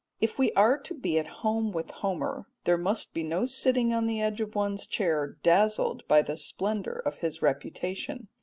If we are to be at home with Homer there must be no sitting on the edge of one's chair dazzled by the splendour of his reputation.